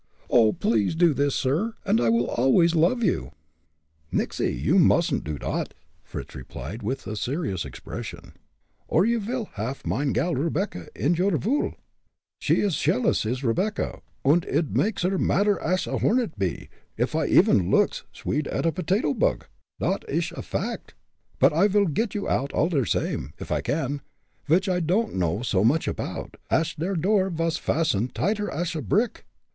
Oh! please do this, sir, and I will always love you." "Nixy! You mustn't do dot," Fritz replied, with a serious expression, "or you vil haff mine gal, Rebecca, in your vool. She's shealous, is Rebecca, und id makes her madder ash a hornet bee, uff I even looks sweed at a potato pug dot ish a fact. But I vil get you oud all der same, if I can, vich I don'd know so much apoud, ash der door vas fastened tighter ash a brick.